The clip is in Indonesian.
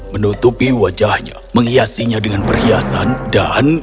menutupi wajahnya menghiasinya dengan perhiasan dan